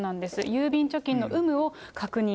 郵便貯金の有無を確認。